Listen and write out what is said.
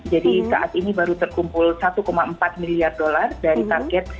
jadi saat ini baru terkumpul satu empat miliar dolar dari target